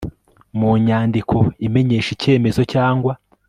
mu nyandiko imenyesha icyemezo cyangwa